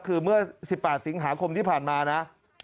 คือเมื่อ๑๘สิงหาคมที่ผ่านมานะ